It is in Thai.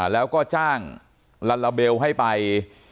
แล้วก็จ้างลัลลาเบลให้ไป